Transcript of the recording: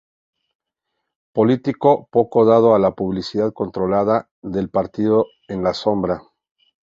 Político poco dado a la publicidad, controlaba el partido en la sombra.